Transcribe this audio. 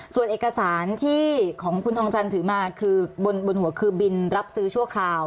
ส่วนเอกสารที่ของคุณทองจันทร์ถือมาคือบนหัวคือบินรับซื้อชั่วคราว